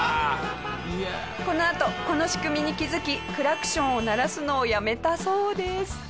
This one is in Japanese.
このあとこの仕組みに気づきクラクションを鳴らすのをやめたそうです。